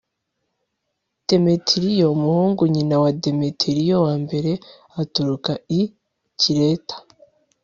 demetiriyo, umuhungu nyine wa demetiriyo wa mbere, aturuka i kireta